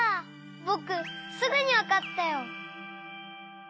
ぼくすぐにわかったよ！